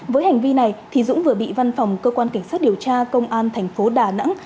với hành vi này thì dũng vừa bị văn phòng cơ quan cảnh sát điều tra công an tp đà nẵng